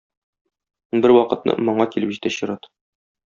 Бервакытны моңа килеп җитә чират.